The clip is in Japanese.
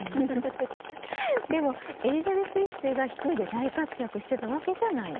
でもエリザベス１世が一人で大活躍してたわけじゃないの。